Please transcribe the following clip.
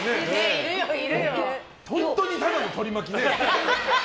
本当にただの取り巻き。